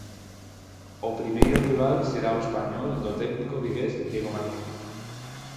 O primeiro rival será o Español do técnico vigués Diego Martínez.